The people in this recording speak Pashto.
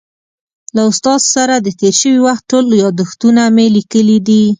له استاد سره د تېر شوي وخت ټول یادښتونه مې لیکلي دي.